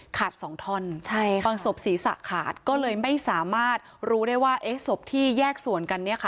ขาดสองท่อนบางศพศรีสะขาดก็เลยไม่สามารถรู้ได้ว่าศพที่แยกส่วนกัน